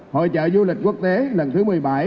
hội trợ du lịch quốc tế lần thứ một mươi bảy